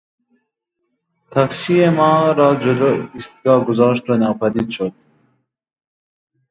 تاکسی ما را جلو ایستگاه گذاشت و ناپدید شد.